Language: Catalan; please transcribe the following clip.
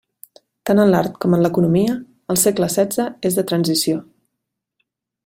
Tant en l'art com en l'economia, el segle setze és de transició.